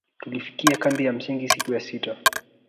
tulifika kambi ya msingi siku ya sita